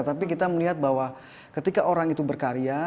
tapi kita melihat bahwa ketika orang itu berkarya